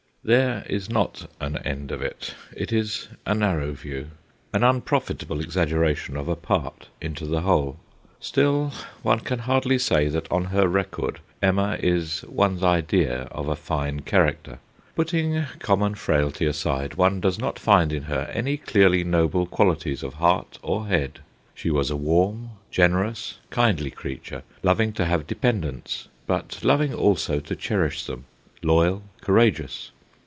There is not an end of it. It is a narrow view, an unprofitable exaggeration of a part into the whole. Still, one can hardly say that on her record Emma HER QUALITIES 179 is one's idea of a fine character. Putting common frailty aside, one does not find in her any clearly noble qualities of heart or head. She was a warm, generous, kindly creature, loving to have dependants, but loving also to cherish them, loyal, courage ous.